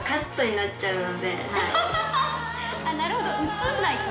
なるほど、映んないと。